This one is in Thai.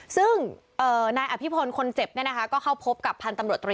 ซึ่งนายอภิพลคนเจ็บก็เข้าพบกับพันธุ์ตำรวจตรี